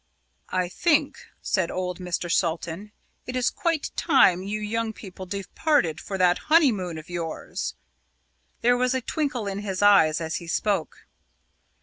"I think," said old Mr. Salton, "it is quite time you young people departed for that honeymoon of yours!" There was a twinkle in his eye as he spoke.